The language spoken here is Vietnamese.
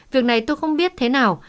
việc này tôi không biết thế nào